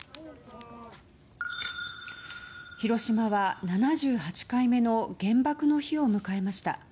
広島は７８回目の原爆の日を迎えました。